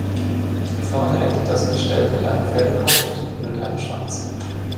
Vorne endet das Gestell mit einem Pferdekopf und hinten mit einem Schwanz.